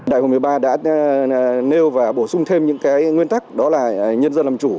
đại hội một mươi ba đã nêu và bổ sung thêm những nguyên tắc đó là nhân dân làm chủ